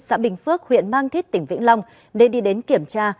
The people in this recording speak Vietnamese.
xã bình phước huyện mang thít tỉnh vĩnh long để đi đến kiểm tra